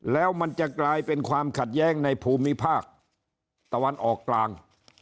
แล้วมันจะกลายเป็นความขัดแย้งในภูมิภาคตะวันออกกลาง